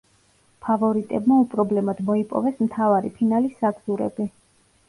ფავორიტებმა უპრობლემოდ მოიპოვეს მთავარი ფინალის საგზურები.